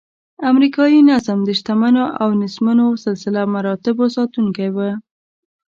امریکایي نظم د شتمنو او نیستمنو سلسله مراتبو ساتونکی و.